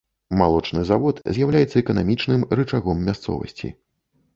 Малочны завод з'яўляецца эканамічным рычагом мясцовасці.